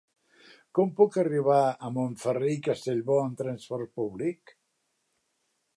Com puc arribar a Montferrer i Castellbò amb trasport públic?